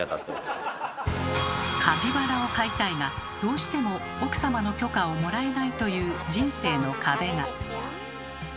カピバラを飼いたいがどうしても奥様の許可をもらえないという人生の壁が。